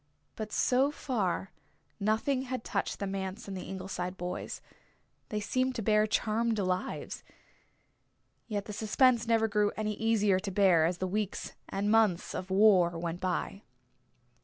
But so far nothing had touched the manse and the Ingleside boys. They seemed to bear charmed lives. Yet the suspense never grew any easier to bear as the weeks and months of war went by.